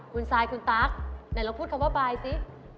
คุณซายคุณตั๊กไหนเราพูดคำว่าบายซิ